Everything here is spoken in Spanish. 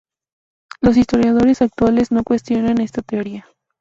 Los historiadores actuales no cuestionan esta teoría.